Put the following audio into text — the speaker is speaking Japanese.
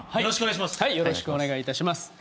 よろしくお願いします。